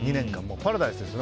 パラダイスです。